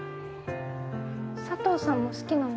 佐藤さんも好きなの？